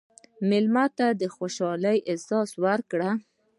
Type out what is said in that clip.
مېلمه ته د خوشحالۍ احساس ورکړه.